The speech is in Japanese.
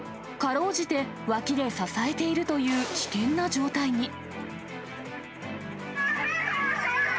かろうじて脇で支えているという危険な状態に。